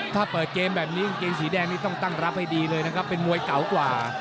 ถ้าเปิดเกมแบบนี้กางเกงสีแดงนี่ต้องตั้งรับให้ดีเลยนะครับเป็นมวยเก่ากว่า